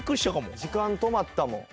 時間止まったもん。